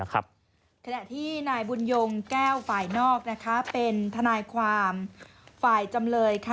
ขณะที่นายบุญยงแก้วฝ่ายนอกเป็นทนายความฝ่ายจำเลย